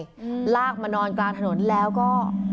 มาหน้าบ้านเนี่ยลากมานอนกลางถนนแล้วก็